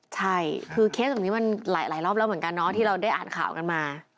ใช่คือเคสแบบนี้มันหลายรอบแล้วเหมือนกันเนาะที่เราได้อ่านข่าวกันมา